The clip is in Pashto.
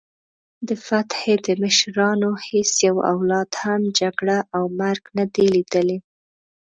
د فتح د مشرانو هیڅ یوه اولاد هم جګړه او مرګ نه دی لیدلی.